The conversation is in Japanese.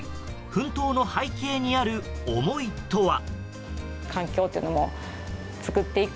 奮闘の背景にある思いとは。